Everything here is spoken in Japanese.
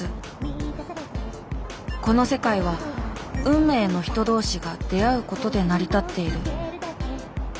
この世界は運命の人同士が出会うことで成り立っている。